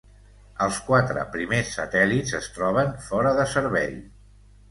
Els quatre primers satèl·lits es troben fora de servei.